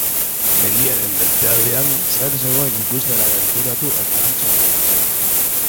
Mendiaren beste aldean zer zegoen ikustera gerturatu eta hantxe geratu zen.